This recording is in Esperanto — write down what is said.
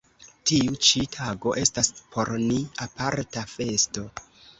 Tiu ĉi tago estas por ni aparta festo.